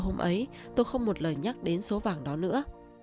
hôm ấy tôi không một lời nhắc đến số vàng đó nữa